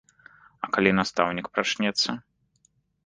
А калі настаўнік прачнецца?